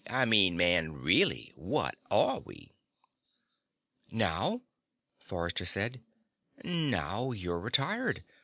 I mean, man, really what are we?" "Now?" Forrester said. "Now you're retired.